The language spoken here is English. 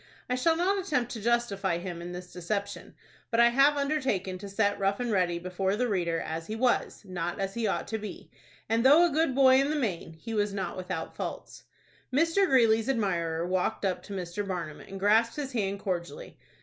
I shall not attempt to justify him in this deception; but I have undertaken to set Rough and Ready before the reader as he was, not as he ought to be, and, though a good boy in the main, he was not without faults. Mr. Greeley's admirer walked up to Mr. Barnum, and grasped his hand cordially.